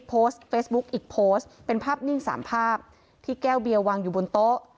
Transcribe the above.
โพสต์เฟซบุ๊กอีกโพสต์เป็นภาพนิ่งสามภาพที่แก้วเบียวางอยู่บนโต๊ะ